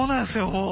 もう。